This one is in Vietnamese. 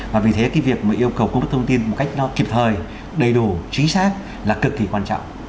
và vì thế cái việc mà yêu cầu cung cấp thông tin một cách nó kịp thời đầy đủ chính xác là cực kỳ quan trọng